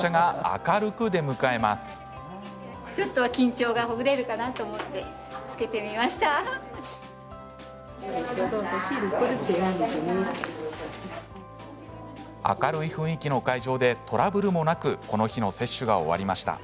明るい雰囲気の会場でトラブルもなくこの日の接種が終わりました。